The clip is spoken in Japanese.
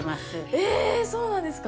え、そうなんですか。